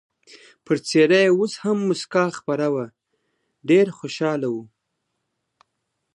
پر څېره یې اوس هم مسکا خپره وه، ډېر خوشحاله و.